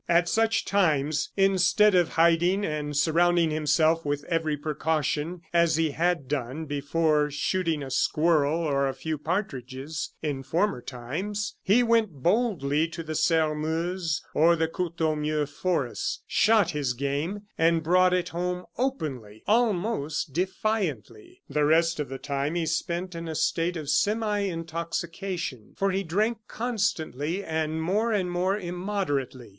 At such times, instead of hiding and surrounding himself with every precaution, as he had done, before shooting a squirrel or a few partridges, in former times, he went boldly to the Sairmeuse or the Courtornieu forests, shot his game, and brought it home openly, almost defiantly. The rest of the time he spent in a state of semi intoxication, for he drank constantly and more and more immoderately.